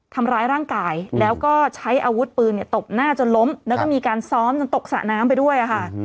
ทำร้ายร่างกายแล้วก็ใช้อาวุธปืนตบหน้าจนล้มแล้วก็มีการซ้อมจนตกสระน้ำไปด้วยค่ะ